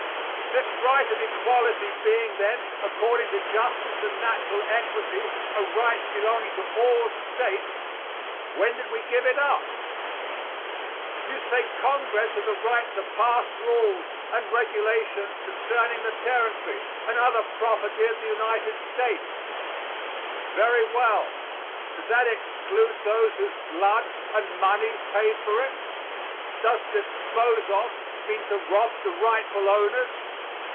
This right of equality being, then, according to justice and natural equity, a right belonging to all States, when did we give it up? You say Congress has a right to pass rules and regulations concerning the Territory and other property of the United States. Very well. Does that exclude those whose blood and money paid for it? Does "dispose of" mean to rob the rightful owners?